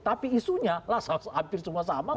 tapi isunya lah hampir semua sama